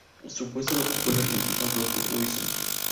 Su puesto lo ocupó el argentino Roque Olsen.